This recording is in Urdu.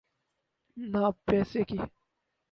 نہ پیسے کی۔